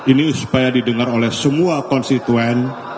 ini supaya didengar oleh semua konstituen